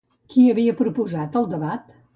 Qui havia proposat el debat?